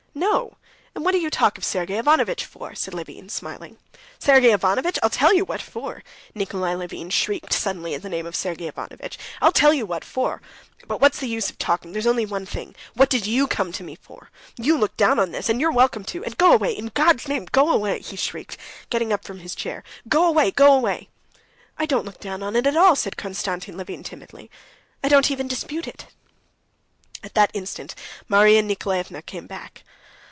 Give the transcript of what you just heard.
"No; and what do you talk of Sergey Ivanovitch for?" said Levin, smiling. "Sergey Ivanovitch? I'll tell you what for!" Nikolay Levin shrieked suddenly at the name of Sergey Ivanovitch. "I'll tell you what for.... But what's the use of talking? There's only one thing.... What did you come to me for? You look down on this, and you're welcome to,—and go away, in God's name go away!" he shrieked, getting up from his chair. "And go away, and go away!" "I don't look down on it at all," said Konstantin Levin timidly. "I don't even dispute it." At that instant Marya Nikolaevna came back.